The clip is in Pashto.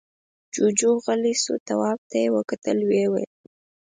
جُوجُو غلی شو، تواب ته يې وکتل، ويې ويل: